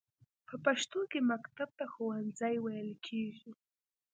په پښتو کې مکتب ته ښوونځی ویل کیږی.